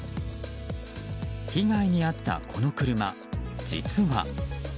被害に遭ったこの車、実は。